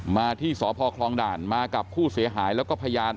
มาที่สพคลองด่านมากับผู้เสียหายแล้วก็พยาน